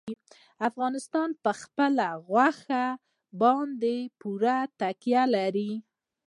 افغانستان په خپلو غوښې باندې پوره تکیه لري.